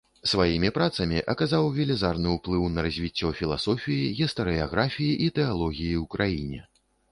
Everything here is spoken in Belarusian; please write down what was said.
Сваімі працамі аказаў велізарны ўплыў на развіццё філасофіі, гістарыяграфіі і тэалогіі ў краіне.